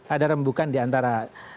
ada rembukan di antara